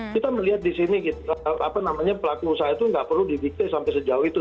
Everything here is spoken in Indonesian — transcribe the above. kita melihat di sini pelaku usaha itu nggak perlu didikte sampai sejauh itu